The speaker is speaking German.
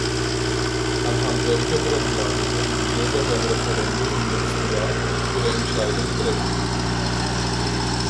Anhand welcher Grundlage würden die Bürger beim Referendum im nächsten Jahr ihre Entscheidung treffen?